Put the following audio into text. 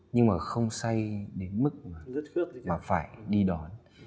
nhưng mà không say đến mức mà phải đi đón